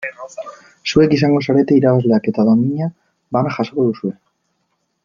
Zuek izango zarete irabazleak eta domina bana jasoko duzue.